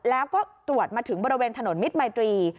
แล้วก็ตรวจมาถึงบริเวณถนนมิตรมัยตรี